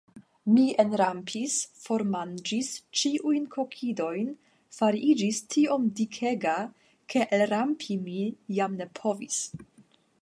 Mi enrampis, formanĝis ĉiujn kokidojn, fariĝis tiom dikega, ke elrampi mi jam ne povis.